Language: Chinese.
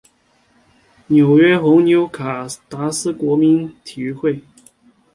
纽约红牛卡达斯国民体育会